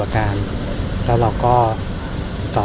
ภาษาสนิทยาลัยสุดท้าย